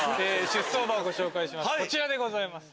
出走馬をご紹介します